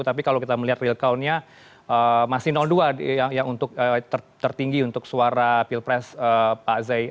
tapi kalau kita melihat real countnya masih dua yang tertinggi untuk suara pilpres pak zai